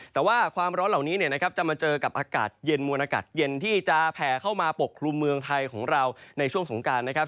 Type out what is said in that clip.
แต่ว่าความร้อนเหล่านี้จะมาเจอกับอากาศเย็นมวลอากาศเย็นที่จะแผ่เข้ามาปกครุมเมืองไทยของเราในช่วงสงการนะครับ